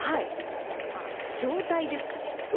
状態ですかね？